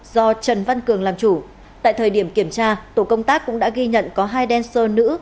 do trần văn cường làm chủ tại thời điểm kiểm tra tổ công tác cũng đã ghi nhận có hai đen sơ nữ